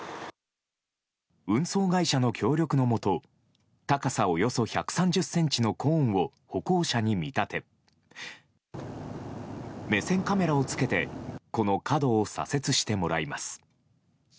運送会社の協力のもと高さおよそ１３０ｃｍのコーンを歩行者に見立て目線カメラをつけてこの角を左折してもらいます。